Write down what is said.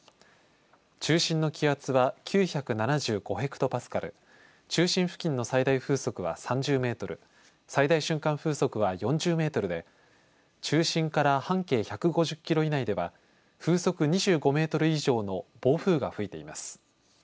中心の気圧は９７５ヘクトパスカル、中心付近の最大風速は３０メートル、最大瞬間風速は４０メートルで中心から半径１５０キロ以内では風速２５メートル以上の暴風が吹いています。